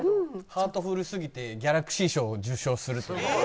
ハートフルすぎてギャラクシー賞を受賞するという。